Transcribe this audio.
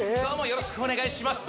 よろしくお願いします。